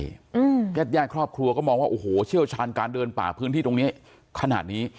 ญาติญาติครอบครัวก็มองว่าโอ้โหเชี่ยวชาญการเดินป่าพื้นที่ตรงนี้ขนาดนี้